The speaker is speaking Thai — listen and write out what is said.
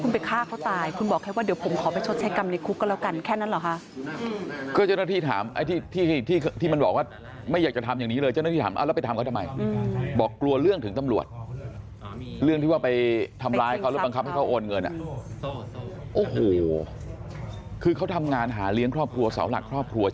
คุณปิ่งข้าเขาตายคุณบอกให้ว่าเดี๋ยวผมขอไปชดใช้กรรมนิการเหล่ากันแค่นั้นเหรอครับค่ะ